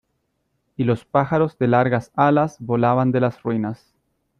y los pájaros de largas alas volaban de las ruinas.